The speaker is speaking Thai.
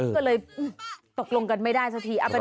ก็เลยตกลงกันไม่ได้สักที